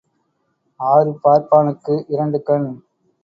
ஆறு பார்ப்பானுக்கு இரண்டு கண்.